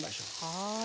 はい。